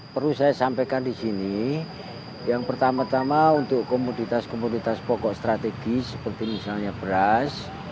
perlu saya sampaikan di sini yang pertama tama untuk komoditas komoditas pokok strategis seperti misalnya beras